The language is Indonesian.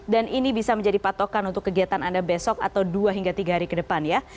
dan ini bisa menjadi patokan untuk kegiatan anda besok atau dua hingga tiga hari ke depan ya